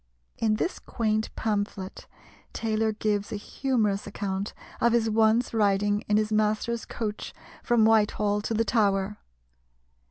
In this quaint pamphlet Taylor gives a humorous account of his once riding in his master's coach from Whitehall to the Tower.